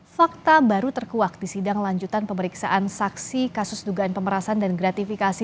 fakta baru terkuak di sidang lanjutan pemeriksaan saksi kasus dugaan pemerasan dan gratifikasi